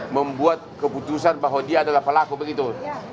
membuat keputusan bahwa dia adalah pelaku begitu